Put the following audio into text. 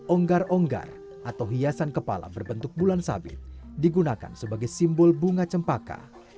onggar onggar atau hiasan kepala berbentuk bulan sabit digunakan sebagai simbol bunga cempaka